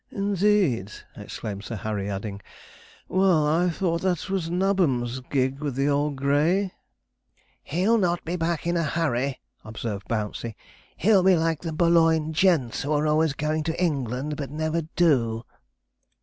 'Indeed!' exclaimed Sir Harry, adding, 'well, I thought that was Nabbum's gig with the old grey.' 'He'll not be back in a hurry,' observed Bouncey. 'He'll be like the Boulogne gents, who are always going to England, but never do.'